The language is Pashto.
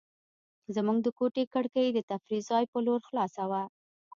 زموږ د کوټې کړکۍ د تفریح ځای په لور خلاصه وه.